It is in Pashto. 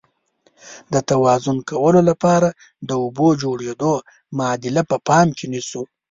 د توازن کولو لپاره د اوبو د جوړیدو معادله په پام کې نیسو.